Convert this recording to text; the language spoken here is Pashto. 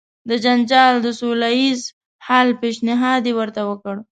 د جنجال د سوله ایز حل پېشنهاد یې ورته وکړ.